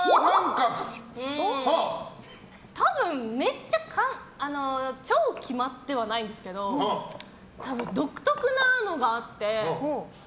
多分、めっちゃ超決まってはないんですけど多分、独特なのがあって。